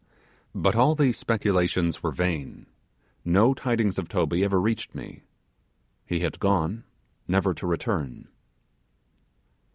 But all these speculations were vain; no tidings of Toby ever reached me; he had gone never to return.